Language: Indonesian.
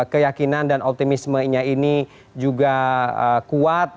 keyakinan dan optimismenya ini juga kuat